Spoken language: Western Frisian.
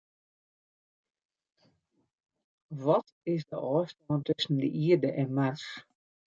Wat is de ôfstân tusken de Ierde en Mars?